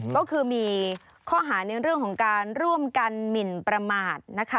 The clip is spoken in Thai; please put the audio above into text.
ก็คือมีข้อหาในเรื่องของการร่วมกันหมินประมาทนะคะ